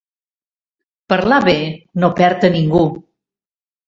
Parlar bé no perd a ningú.